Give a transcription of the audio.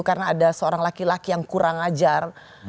karena ada seorang laki laki yang kurang ajar